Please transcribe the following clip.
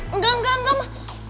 enggak enggak enggak ma